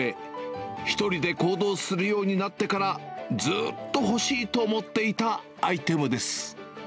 １人で行動するようになってから、ずーっと欲しいと思っていたアイテムです。